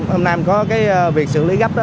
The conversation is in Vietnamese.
hôm nay có cái việc xử lý gấp đó